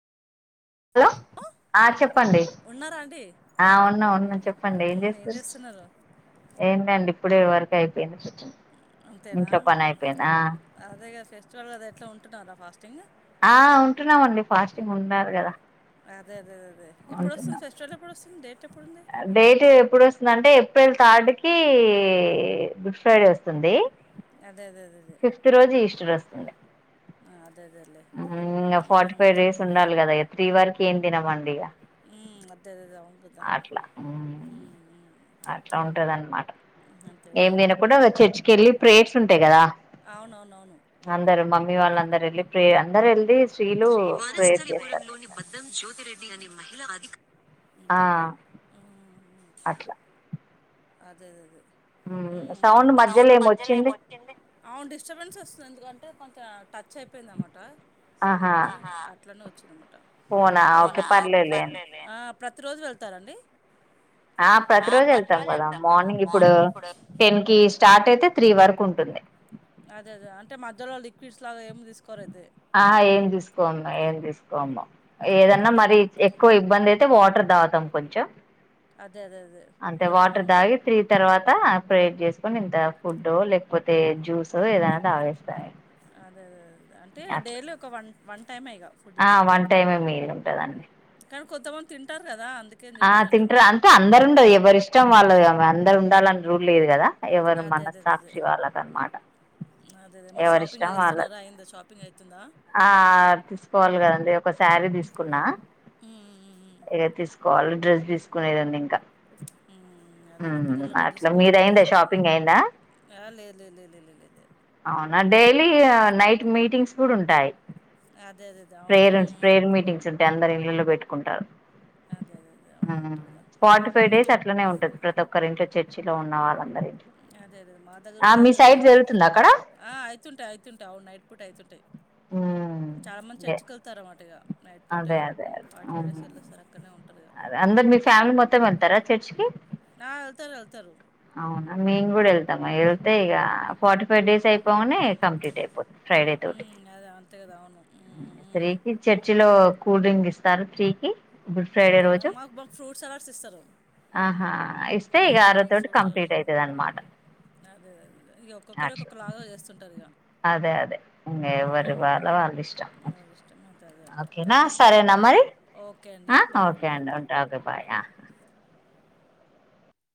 Hello ఆ చెప్పండి. ఆ ఉన్నా ఉన్నా చెప్పండి ఏం చేస్తుర్రు. ఏంటండి ఇప్పుడు వర్కు అయిపోయింది. అంతేనా అదేగా ఫెస్టివల్ కదా ఎట్లా ఉంటున్నారా ఫాస్ట్. తెంగు. ఆ ఉంటున్నామండి ఫాస్టింగ్ ఉన్నారు కదా. అదే అదేదే అదే ఎప్పుడు వస్తుంది ఫెస్టివల్ ఎప్పుడు వస్తుంది డేట్. డేట్ ఎప్పుడు వస్తుందంటే ఏప్రిల్ తార్డ్ కి గుడ్ ఫ్రైడే వస్తుంది. అదే అదేదేదే. టర్ వస్తుంది. అద్ ఫాట్టి ఫైవ్ డేస్ ఉండాలి కదా ఎ. త్రి వరకి ఏం దినం మండిగా. ఉం అద్దె అదేదే ఔ అట్లా ఉమ్ అట్లా ఉంటదన్నమాట ఏం తినకుంట అలా చర్చికిి వెళ్ళి ప్రేయర్స్ ఉంటాయి కదా అందరు మమ్మీ వాళ్ళందరు వెళ్ళి ప్రేర్. అందరెల్లి. [unintelligible] మహిళ అధిక. అంతేనా. అ అదే అదదదే. ఉమ్ ఉమ్ సౌండ్ మధ్యలో ఏమొచ్చింది అవును డిస్టర్బెన్స్ వస్తుంది ఎందుకంటే. కొంచెం టచ్ అయిపోయిందన్నమాట. ఆహా అట్లానే వచ్చిందన్నమాట ఔనా ఒకే పర్లేదులే ఆ. ప్రతి రోజు వెళ్తారండి. ఆ ప్రతి రోజు ఎళ్తాం కదా. మార్నింగ్ ఇప్పుడు టెన్ కి స్టార్ట్ అయితే త్రీ వరకు ఉంటుంది. అదెదే అంటే మధ్యలో లిక్విడ్స్ లాగా ఏమి తీస్ ఆహా ఏం తీసుకోమ్మ్ ఏం తీసుకోమ్మ్ ఏదన్న మరి ఇచ్ ఎక్కువ ఇబ్బందైయ్ టె వాటర్ తాగుతాం కొంచెం అంటె వాటర్ తాగి త్రీ తర్వా త ప్రేర్ జేస్కొనింత ఫుడ్డో లేకపోతే జ్యూసో ఏదైనా తాగేస్తామిగ అదేదేదే ద్ అంటే డైలీ ఒక వన్ మంత్ ఆ వన్ టైమే మీలుంటుందండి కొంతమంది తింటార్ కదా అ ఆ తింట్రు అంటే అందరుండవ్ ఎవరిష్టం వాళ్ళదమ అందరు డాలని రూల్ లేదు కదా ఎవరు మనస్సాక్షి వాళ్ళకనమాట ఎవరిష్టం వాళ్ళది ఆ తీసుకోవాలి కదండి ఒక సి శారీ దీస్కున్నా ఏద్ తీస్ క్వాల్లి డ్రెస్ తీసుకునేదుందింకా ఉమ్ అట్ల మీదైందా షాపింగ్ అయిందా అవునా డైలీ నైట్ మీటింగ్స్ కూడుంటాయ్ ప్రేయర్ ప్రేయర్ మీటింగ్స్ ఉంటాయి అందరు ఇళ్లలో పెట్టు కుంటార్ అదే అదే దే దే అవునుంటరుదా ఉమ్ ఒక్కరింట్లో చర్చిలో ఉన్న వాళ్ళంత అదే దే మా దగ్గర కూడా అయితుంటాయి మీరు ఆ అయితుంటాయ్ అయితుంటాయ్ అవున్ నైట్ పూటయితుంటాయ్ చాలా మంది చర్చ్కెళ్తారు అనమాట ఇగ అదే అదే అదే అదే అందరు మీ ఫ్యామిలీ మొత్తం వెళ్తారా చర్చ్ కి అవునా మేము కూడా వెళ్తాము వెళ్తే ఇగ ఫాట్టీ ఫైవ్ డేస్ అయిపోంగనే కంప్లీటయిపోత ఫ్రైడే తోటి త్రాగి చర్ లో కూల్ డ్రింకిస్తారు టీ కి గుడ్ ఫ్రైడే రోజు ఆహా ఇస్ ఉమ్ ఫోర్ థౌసండ్ అదే దే దే దే ఇగ ఒక్కొక్కరు ఒక్కొక్క లాగా చేస్తుంటారిద్ అదే అదే ఎవరి వాళ్ళ వాళ్ళిష్టం ఓకేనా సరేనా మరి అ ఓకే అండి ఉంట ఓకే బాయ్